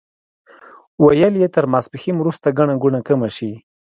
ویل یې تر ماسپښین وروسته ګڼه ګوڼه کمه شي.